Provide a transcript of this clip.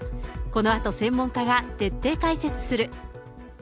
このあと専門家が徹底解説する。